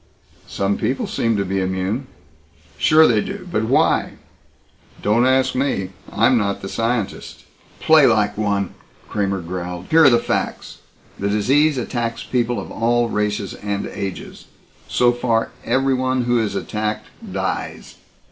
"Some people seem to be immune." "Sure they do but why?" "Don't ask me. I'm not the scientist." "Play like one," Kramer growled. "Here are the facts. The disease attacks people of all races and ages. So far every one who is attacked dies.